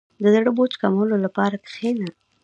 • د زړه بوج کمولو لپاره کښېنه.